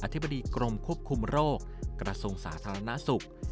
อธิบดีกรมควบคุมโรคกระทรวงศาสตราณาศุกร์